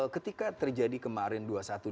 ketika terjadi kemarin dua ribu satu ratus dua puluh dua